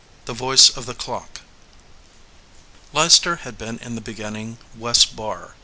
THE VOICE OF THE CLOCK I EICESTER had been in the beginning West JL Barr.